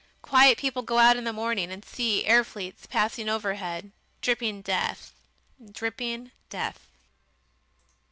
Quiet people go out in the morning, and see air fleets passing overhead dripping death dripping death!"